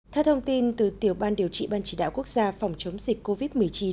theo thông tin từ tiểu ban điều trị ban chỉ đạo quốc gia phòng chống dịch covid một mươi chín